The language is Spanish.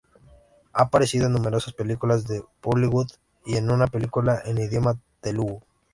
Ha aparecido en numerosas películas de Bollywood y en una película en idioma telugu.